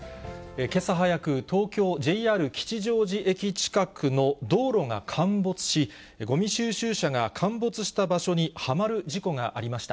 けさ早く、東京、ＪＲ吉祥寺駅近くの道路が陥没し、ごみ収集車が陥没した場所にはまる事故がありました。